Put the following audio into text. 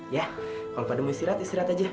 ya kalo pada mau istirahat istirahat aja